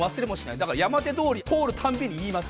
だから山手通り通るたんびに言います。